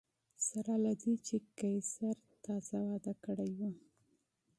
سره له دې چې قیصر تازه واده کړی و